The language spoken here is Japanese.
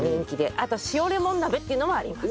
あと塩レモン鍋っていうのもあります。